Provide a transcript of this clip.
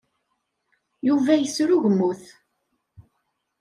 Yuba yesrugmut.